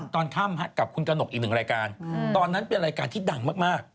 ตอนค่ำกับคุณกระหนกอีกหนึ่งรายการตอนนั้นเป็นรายการที่ดังมาก